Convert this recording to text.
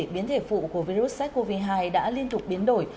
biến thể phụ của virus sars cov hai đã liên tục biến đổi